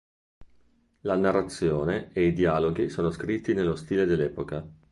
La narrazione e i dialoghi sono scritti nello stile dell'epoca.